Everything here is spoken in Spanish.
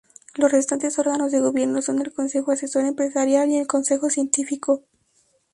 Los restantes órganos de gobierno son el Consejo Asesor Empresarial y el Consejo Científico.